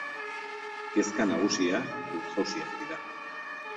Kezka nagusia lur-jausiak dira.